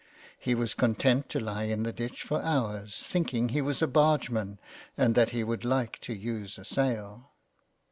He was content to lie in the ditch for hours, thinking he was a bargeman and that he would like to use a sail.